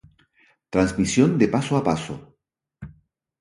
Transmisión de paso a paso.